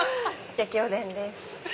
焼きおでんです。